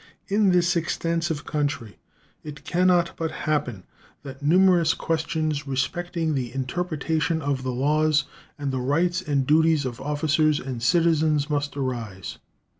In this extensive country it can not but happen that numerous questions respecting the interpretation of the laws and the rights and duties of officers and citizens must arise.